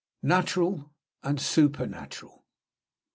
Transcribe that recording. NATURAL AND SUPERNATURAL.